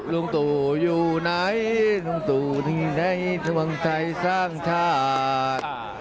ลุงตู่อยู่ไหนลุงตู่ถึงไหนทวงไทยสร้างชาติ